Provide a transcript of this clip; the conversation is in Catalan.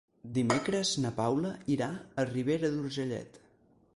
Dimecres na Paula irà a Ribera d'Urgellet.